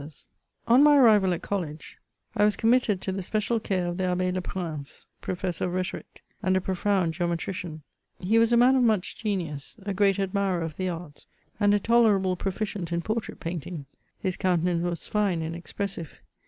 86 MEMOIRS OF On my arrival at college, I was committed to the special care of the Abb^ Leprince, Professor of Rhetoric, and a pro found geometrician ; he was a man of much genius, a great admirer of the arts, and a tolerable proficient in portrait painting ; his countenance was fine and expressive.